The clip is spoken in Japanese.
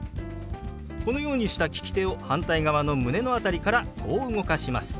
このようにした利き手を反対側の胸の辺りからこう動かします。